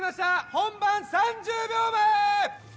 本番３０秒前！